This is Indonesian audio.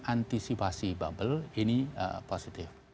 konteks mengantisipasi bubble ini positif